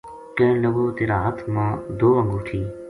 کہن لگو تیرا ہتھ ما دو انگوٹھی